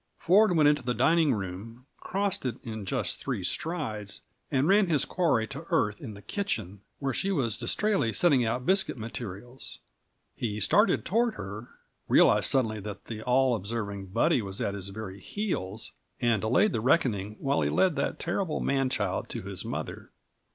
Ford went into the dining room, crossed it in just three strides, and ran his quarry to earth in the kitchen, where she was distraitly setting out biscuit materials. He started toward her, realized suddenly that the all observing Buddy was at his very heels, and delayed the reckoning while he led that terrible man child to his mother.